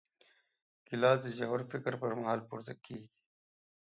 ګیلاس د ژور فکر پر مهال پورته کېږي.